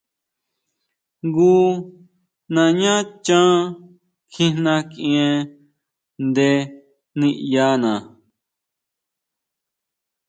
Jngu nañá chán kjijna kʼien nde niʼyana.